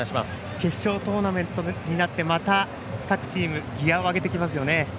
決勝トーナメントになってまた各チームギヤを上げてきますね。